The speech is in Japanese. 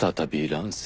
乱世。